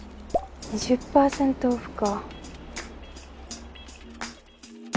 ２０％オフか。